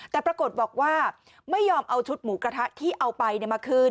แต่ปรากฏบอกว่าไม่ยอมเอาชุดหมูกระทะที่เอาไปมาคืน